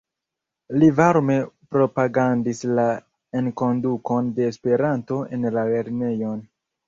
Li varme propagandis la enkondukon de Esperanto en la lernejon.